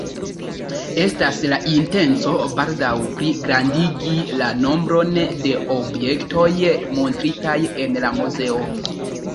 Estas la intenco baldaŭ pligrandigi la nombron de objektoj montritaj en la muzeo.